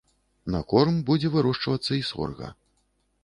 На корм будзе вырошчвацца і сорга.